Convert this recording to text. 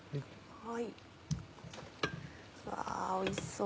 うわおいしそう。